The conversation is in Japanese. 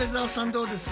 どうですか？